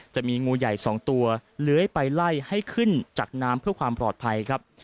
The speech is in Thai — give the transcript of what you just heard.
จะมีงูใหญ่๒ตัวเลื้อยไปไล่ให้ขึ้นจากน้ำเพื่อความปลอดภัยครับ